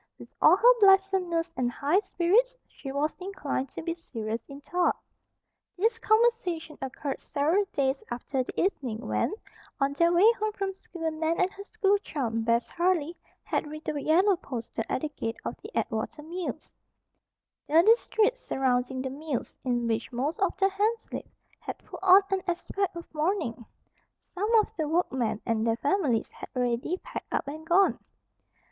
With all her blithesomeness and high spirits she was inclined to be serious in thought. This conversation occurred several days after the evening when, on their way home from school, Nan and her school chum, Bess Harley, had read the yellow poster at the gate of the Atwater Mills. The district surrounding the mills, in which most of the hands lived, had put on an aspect of mourning. Some of the workmen and their families had already packed up and gone.